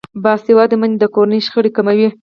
باسواده میندې د کورنۍ شخړې کموي.